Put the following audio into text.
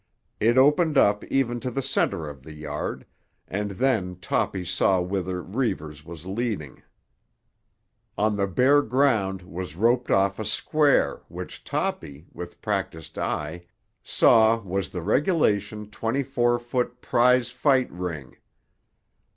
It opened up even to the centre of the yard, and then Toppy saw whither Reivers was leading. On the bare ground was roped off a square which Toppy, with practised eye, saw was the regulation twenty four foot prize fight ring.